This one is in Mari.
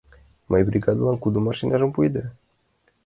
Мыйын бригадылан кудо машинажым пуэда?